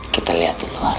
kita lihat di luar